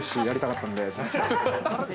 やりたかったので。